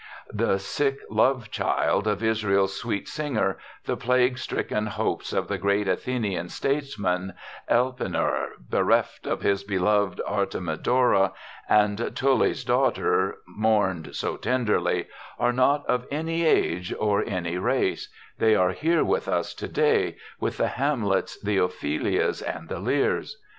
The sick love child of Israel's sweet singer, the plague stricken hopes of the great Athenian statesman, Elpenor, bereft of his beloved Artemidora, and "Tully's daughter mourned so tenderly," are not of any age or any race they are here with us to day, with the Hamlets, the Ophelias, and the Lears.